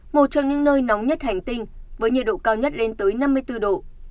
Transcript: một trong những nơi nóng nhất hành tinh với nhiệt độ cao nhất lên tới năm mươi bốn độ